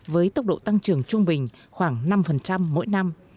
với tốc độ tăng trưởng trung bình khoảng năm mỗi năm